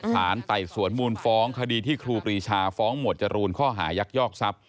ไต่สวนมูลฟ้องคดีที่ครูปรีชาฟ้องหมวดจรูนข้อหายักยอกทรัพย